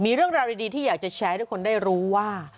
มีเรื่องราวดีที่อยากจะแชร์ให้ทุกคนได้รู้ว่า